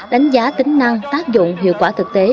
đánh giá tính năng tác dụng hiệu quả thực tế